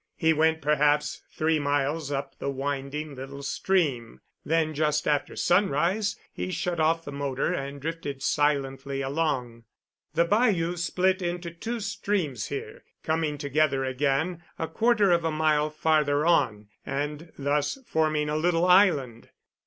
He went, perhaps, three miles up the winding little stream. Then, just after sunrise, he shut off the motor and drifted silently along. The bayou split into two streams here, coming together again a quarter of a mile farther on, and thus forming a little island.